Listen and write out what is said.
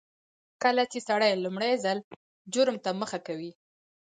کله چې سړی لومړي ځل جرم ته مخه کوي